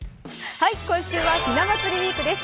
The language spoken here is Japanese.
今週はひな祭りウィークです。